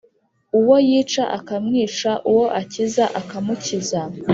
uwo yica akamwica, uwo akiza akamukiza.